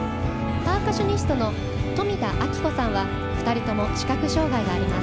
パーカッショニストの富田安紀子さんは２人とも視覚障がいがあります。